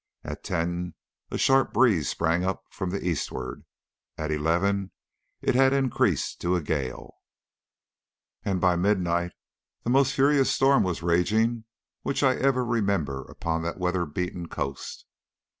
At ten a sharp breeze sprang up from the eastward. At eleven it had increased to a gale, and by midnight the most furious storm was raging which I ever remember upon that weather beaten coast.